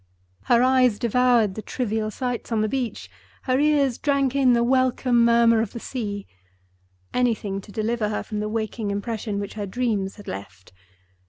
Her eyes devoured the trivial sights on the beach; her ears drank in the welcome murmur of the sea. Anything to deliver her from the waking impression which her dreams had left!